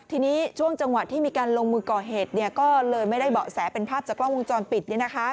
ทีนี้ช่วงจังหวะที่มีการลงมือก่อเหตุก็เลยไม่ได้เบาะแสเป็นภาพจากกล้องวงจรปิด